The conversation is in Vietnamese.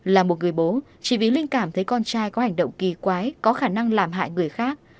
là một người bố chỉ vì linh cảm thấy con trai có hành động kỳ quái có khả năng làm hại người khác